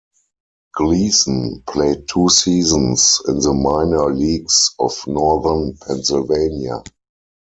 Gleason played two seasons in the minor leagues of northern Pennsylvania.